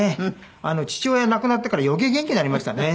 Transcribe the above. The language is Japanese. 父親亡くなってから余計元気になりましたね。